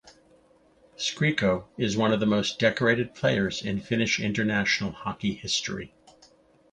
Skriko is one of the most decorated players in Finnish international hockey history.